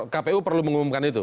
kpu perlu mengumumkan itu